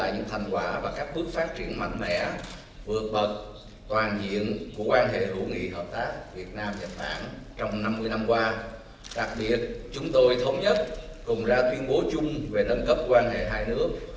năm qua đặc biệt chúng tôi thống nhất cùng ra tuyên bố chung về nâng cấp quan hệ hai nước